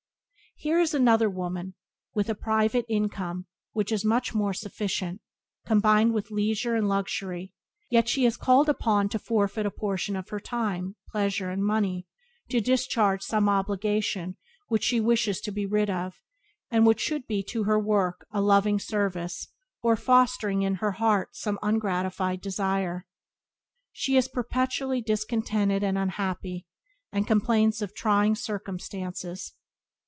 Here is another woman, with a private income which is more than sufficient, combined with leisure and luxury, yet, because she is called upon to forfeit a portion of her time, pleasure, and money to discharge some obligation which she wishes to be rid of, and which should be to her a work of loving service, or fostering in her heart some ungratified desire, she is perpetually discontented and unhappy, and complains of "trying circumstances".